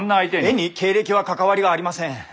絵に経歴は関わりがありません。